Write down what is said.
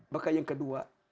bahkan yang kedua